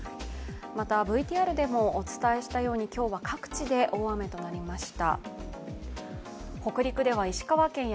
また、ＶＴＲでもお伝えしたように、今日は各地で大雨となりました。